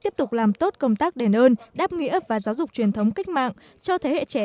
tiếp tục làm tốt công tác đền ơn đáp nghĩa và giáo dục truyền thống cách mạng cho thế hệ trẻ